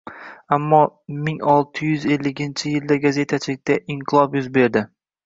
ammo ming olti yuz elliginchi yilda gazetachilikda inqilob yuz beradi